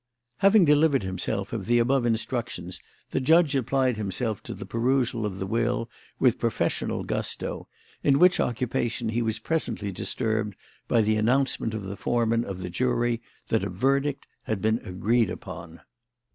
Having delivered himself of the above instructions, the judge applied himself to the perusal of the will with professional gusto, in which occupation he was presently disturbed by the announcement of the foreman of the jury that a verdict had been agreed upon.